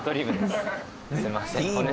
すみません。